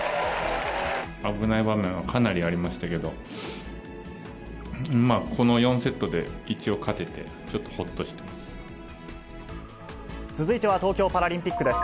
危ない場面もかなりありましたけど、まあ、この４セットで一応勝てて、ちょっとほっとしてま続いては、東京パラリンピックです。